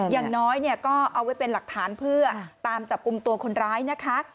อย่างน้อยเนี่ยก็เอาไว้เป็นหลักฐานเพื่อตามจับกลุ่มตัวคนร้ายนะคะ